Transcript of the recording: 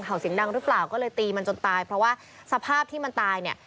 เสียงดังหรือเปล่าก็เลยตีมันจนตายเพราะว่าสภาพที่มันตายเนี่ย